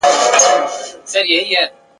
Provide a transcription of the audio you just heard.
زه په خیال کي شاه جهان د دې جهان وم !.